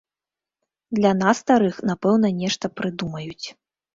Для нас, старых, напэўна нешта прыдумаюць.